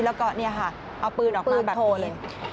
แล้วก็เอาปืนออกมาแบบนี้